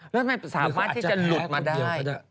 แล้วมันสามารถที่จะหลุดมาได้